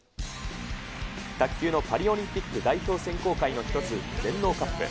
卓球のパリオリンピック代表選考会の一つ、全農カップ。